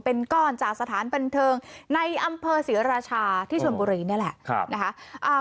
เป็นก้อนจากสถานบันเทิงในอำเภอศรีราชาที่ชนบุรีนี่แหละนะคะ